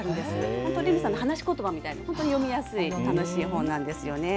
本当、レミさんの話しことばみたいに、本当に読みやすい、楽しい本なんですよね。